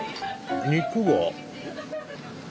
肉が。